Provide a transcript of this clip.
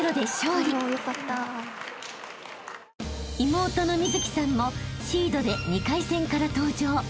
［妹の美月さんもシードで２回戦から登場］